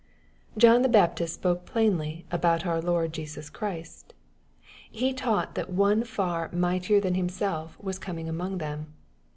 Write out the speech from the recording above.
John the Baptist spoke plainly aboitt our Lord Jesua Christ. He taught people that one far " mightier than HATTHEW, CHAP. m. 19 himself^' was coming among them.